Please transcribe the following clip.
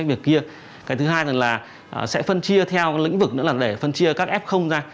cái thứ hai là sẽ phân chia theo lĩnh vực nữa là để phân chia các f ra